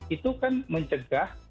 itu kan mencegah